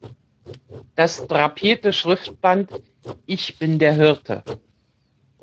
Das drapierte Schriftband "Ich bin der Hirte!